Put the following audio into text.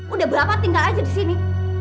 udah berapa tinggal aja di sini